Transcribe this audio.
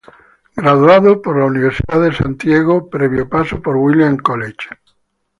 Graduado de la Universidad de San Diego previo paso por el Williams College.